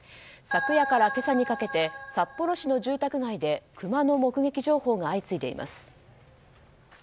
昨夜から今朝にかけて札幌市の住宅街でクマの目撃情報が相次いでいます。